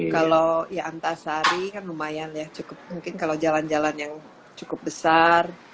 kalau ya antasari kan lumayan ya cukup mungkin kalau jalan jalan yang cukup besar